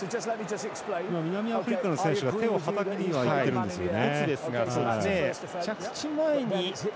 南アフリカの選手が手をはたきにいってるんですよね。